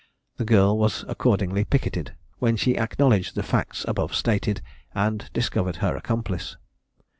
The girl was accordingly picketed, when she acknowledged the facts above stated, and discovered her accomplice.